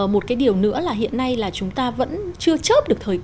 một cái điều nữa là hiện nay là chúng ta vẫn chưa chớp được thời gian